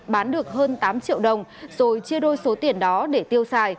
bán được hơn tám triệu đồng rồi chia đôi số tiền đó để tiêu xài